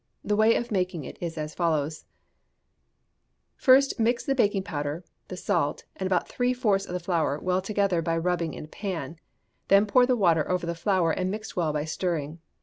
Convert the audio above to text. The way of making is as follows: First mix the baking powder, the salt, and about three fourths of the flour well together by rubbing in a pan; then pour the water over the flour, and mix well by stirring.